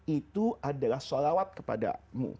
itu adalah sholawat kepadamu